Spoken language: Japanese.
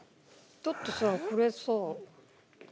だってさこれさ。